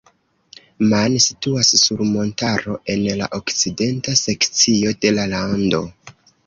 Man situas sur montaro en la okcidenta sekcio de la lando.